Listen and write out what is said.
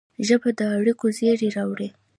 ژبه د اړیکو زېری راوړي